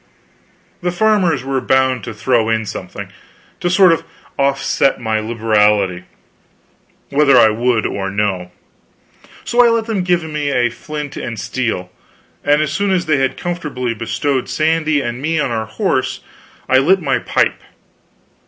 The farmers were bound to throw in something, to sort of offset my liberality, whether I would or no; so I let them give me a flint and steel; and as soon as they had comfortably bestowed Sandy and me on our horse, I lit my pipe.